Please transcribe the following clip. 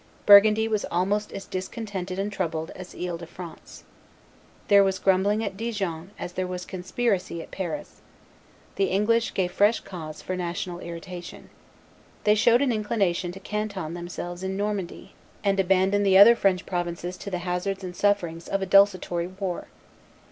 Burgundy was almost as discontented and troubled as Ile de France. There was grumbling at Dijon as there was conspiracy at Paris. The English gave fresh cause for national irritation. They showed an inclination to canton themselves in Normandy, and abandon the other French provinces to the hazards and sufferings of a desultory war.